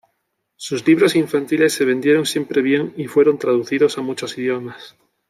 Sus libros infantiles se vendieron siempre bien y fueron traducidos a muchos idiomas.